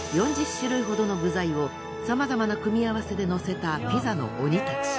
４０種類ほどの具材をさまざまな組み合わせでのせたピザの鬼たち。